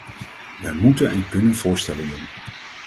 Wij moeten en kunnen voorstellen doen.